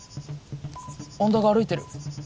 恩田が歩いてる！